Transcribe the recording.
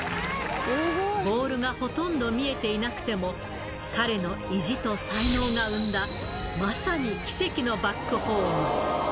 ボールがほとんど見えていなくても、彼の意地と才能が生んだ、まさに奇跡のバックホーム。